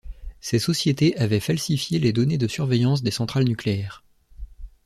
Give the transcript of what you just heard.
Ces sociétés avaient falsifié les données de surveillance des centrales nucléaires.